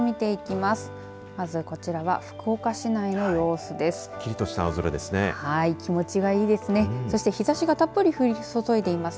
まずこちらは福岡市内の様子です。